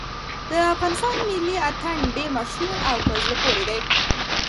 د افغانستان ملي اتڼ ډېر مشهور او په زړه پورې دی.